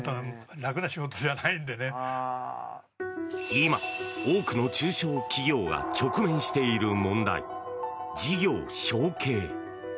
今、多くの中小企業が直面している問題、事業承継。